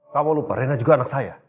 kamu lupa rena juga anak saya